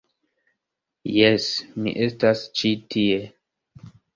Jes, mi estas ĉi tie